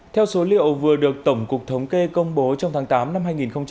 theo số liệu vừa được tổng cục thống kê công bố trong tháng tám năm hai nghìn hai mươi